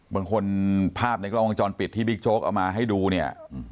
ภาพในกล้องวงจรปิดที่บิ๊กโจ๊กเอามาให้ดูเนี่ย